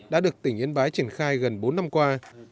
đã được tỉnh yên bái triển khai gần bốn năm qua